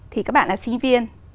thì các bạn là sinh viên